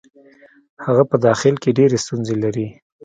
هغه په داخل کې ډېرې ستونزې لري.